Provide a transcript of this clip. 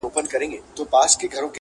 • لېونو سره پرته د عشق معنا وي,